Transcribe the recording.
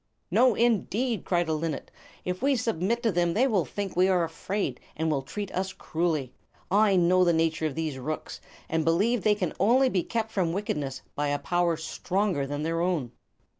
"No, indeed!" cried a linnet. "If we submit to them they will think we are afraid, and will treat us cruelly. I know the nature of these rooks, and believe they can only be kept from wickedness by a power stronger than their own."